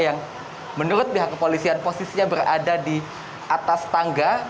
yang menurut pihak kepolisian posisinya berada di atas tangga